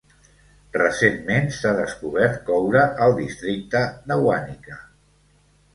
Recentment, s"ha descobert coure al districte de Wanica.